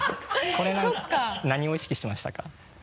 これ何を意識しましたか？